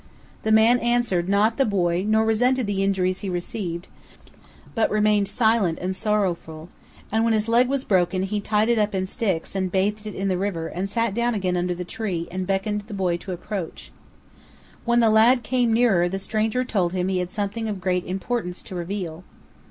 The man answered not the boy nor resented the injuries he received, but remained silent and sorrowful; and when his leg was broken he tied it up in sticks and bathed it in the river and sat down again under the tree and beckoned the boy to approach. When the lad came near, the stranger told him he had something of great importance to reveal.